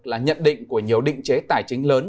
là nhận định của nhiều định chế tài chính lớn